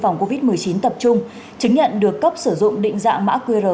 phòng covid một mươi chín tập trung chứng nhận được cấp sử dụng định dạng mã qr